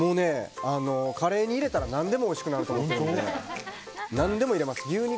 カレーに入れたら何でもおいしくなると思ってるので何でも入れます。